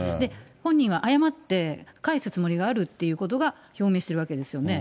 本人は謝って、返すつもりがあるっていうことが表明してるわけですよね。